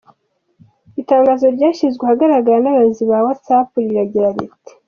Itangazo ryashyizwe ahagaragara n’abayobozi ba ‘Whatsapp’ rigira riti’.